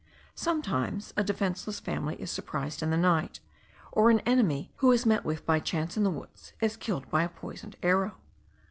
Sometimes a defenceless family is surprised in the night; or an enemy, who is met with by chance in the woods, is killed by a poisoned arrow.